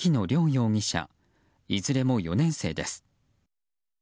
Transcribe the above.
容疑者いずれも４年生です。